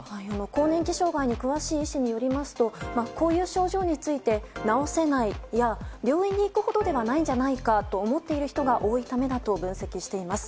更年期障害に詳しい医師によりますとこういう症状について治せないや病院に行くほどではないと考えている人が多いためだと分析しています。